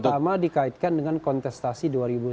terutama dikaitkan dengan kontestasi dua ribu sembilan belas